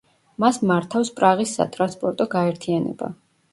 მას მართავს პრაღის სატრანსპორტო გაერთიანება.